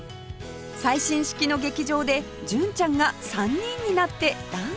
最新式の劇場で純ちゃんが３人になってダンスを披露！？